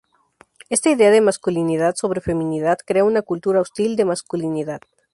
Esta idea de masculinidad sobre feminidad crea una cultura hostil de masculinidad.